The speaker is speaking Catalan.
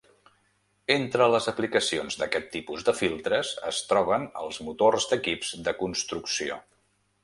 Entre les aplicacions d'aquest tipus de filtres es troben els motors d'equips de construcció.